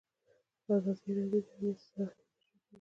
ازادي راډیو د امنیت ستر اهميت تشریح کړی.